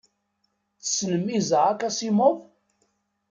Tessnem Isaac Asimov?